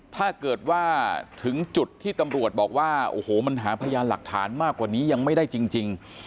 ถ้าเกิดว่าถึงจุดที่ตำรวจบอกว่าโอ้โหมันหาพยานหลักฐานมากกว่านี้ยังไม่ได้จริง